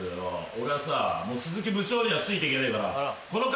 俺はさもう部長にはついていけねえから。